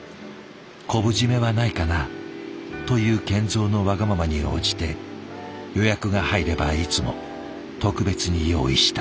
「昆布締めはないかな？」という賢三のわがままに応じて予約が入ればいつも特別に用意した。